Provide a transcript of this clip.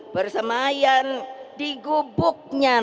bersemayan di gubuknya